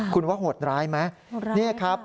คุณว่าโหดร้ายไหม